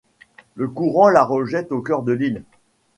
Le courant la rejette au cœur de l'île...